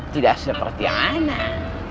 tidak seperti anak